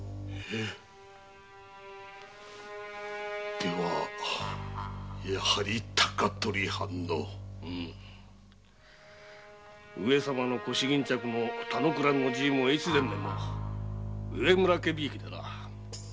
ではやはり高取藩の。上様の腰巾着の田之倉も大岡も植村家びいきでな。